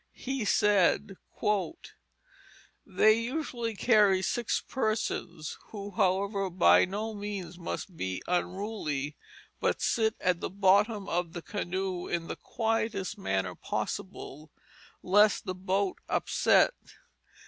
He said: "They usually carry six persons who however by no means must be unruly, but sit at the bottom of the canoe in the quietest manner possible lest the boat upset.